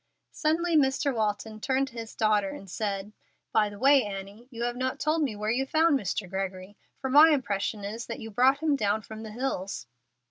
Suddenly Mr. Walton turned to his daughter and said, "By the way, Annie, you have not told me where you found Mr. Gregory, for my impression is that you brought him down from the hills."